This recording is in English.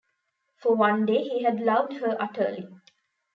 For one day he had loved her utterly.